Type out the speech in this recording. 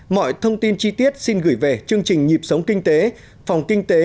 mọi thông tin chi tiết xin gửi về chương trình nhịp sống kinh tế phòng kinh tế